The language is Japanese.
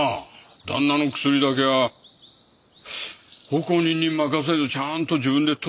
旦那の薬だけは奉公人に任せずちゃんと自分で取りに来る。